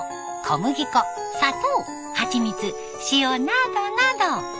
小麦粉砂糖はちみつ塩などなど。